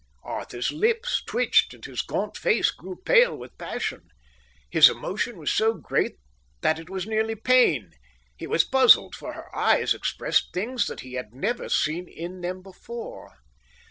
Arthur's lips twitched, and his gaunt face grew pale with passion. His emotion was so great that it was nearly pain. He was puzzled, for her eyes expressed things that he had never seen in them before.